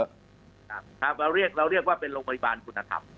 เราเรียกเราเรียกว่าเป็นโรงพยาบาลคุณธรรม